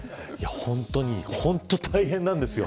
本当に大変なんですよ。